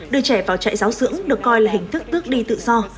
đưa trẻ vào trại giáo dưỡng được coi là hình thức tước đi tự do